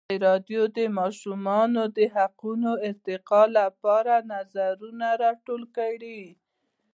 ازادي راډیو د د ماشومانو حقونه د ارتقا لپاره نظرونه راټول کړي.